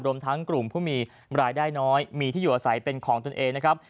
รวมทั้งกลุ่มผู้มีรายได้น้อยมีที่อยู่อาศัยเป็นของตนเองนะครับ